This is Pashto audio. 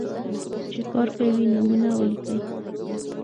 چې کار کوي، نومونه ولیکئ.